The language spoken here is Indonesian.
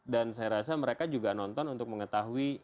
dan saya rasa mereka juga nonton untuk mengetahui